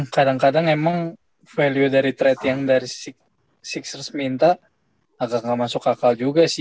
kadang kadang emang value dari trade yang dari sixers minta agak gak masuk akal juga sih